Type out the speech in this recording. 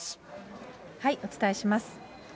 お伝えします。